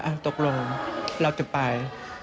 อ้าวตกลงเราจะไป